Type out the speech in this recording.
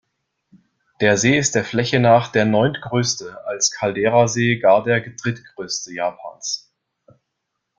Der See ist der Fläche nach der neuntgrößte, als Caldera-See gar der drittgrößte Japans.